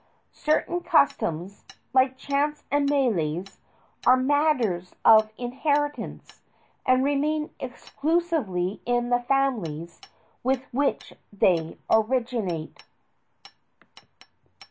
Certain customs, like chants and meles, are matters of inheritance, and remain exclusively in the families with which they originate.